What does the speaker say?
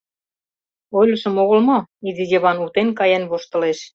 — Ойлышым огыл мо? — изи Йыван утен каен воштылеш.